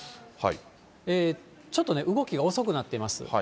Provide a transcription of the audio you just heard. ちょっと動きが遅くなっています。